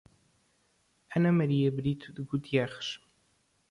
Ana Maria Brito de Gutierrez